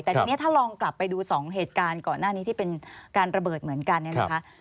แต่ทีนี้ถ้าลองกลับไปดูสองเหตุการณ์ก่อนหน้านี้ที่เป็นการระเบิดเหมือนกันเนี่ยนะคะ